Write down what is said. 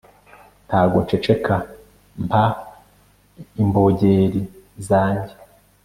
ntago nceceka mpa imbongeri zanjye